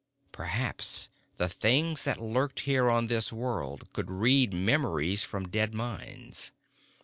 Perhaps the things that lurked here on this world could read memories from dead minds.